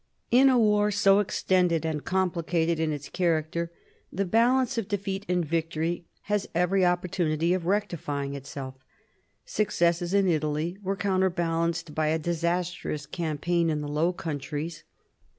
In a war so extended and complicated in its character, the balance of defeat and victory has every opportunity of rectifying itself. Successes in Italy were counter balanced by a disastrous campaign in the Low Countries.